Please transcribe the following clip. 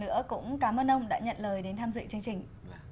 nữa cũng cảm ơn ông đã nhận lời đến tham dự chương trình